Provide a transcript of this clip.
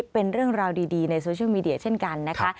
เป็นเรื่องราวดีในโซเชียลมีเดียเช่นกันนะคะ